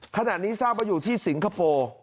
ขณะนี้ทราบว่าอยู่ที่สิงคโปร์